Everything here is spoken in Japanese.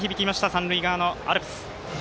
三塁側のアルプス。